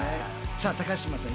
さあ高島さん